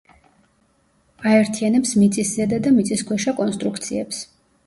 აერთიანებს მიწისზედა და მიწისქვეშა კონსტრუქციებს.